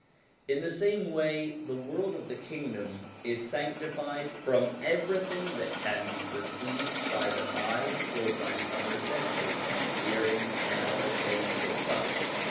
In the same way the world of the Kingdom is sanctified from everything that can be perceived by the eye or by the other senses hearing, smell, taste, or touch.